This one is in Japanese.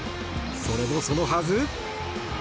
それもそのはず。